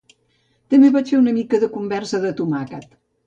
També vaig fer una mica de conserva de tomàquet.